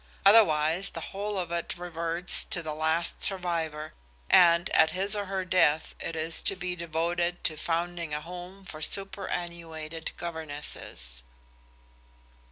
Otherwise the whole of it reverts to the last survivor, and at his or her death it is to be devoted to founding a home for superannuated governesses."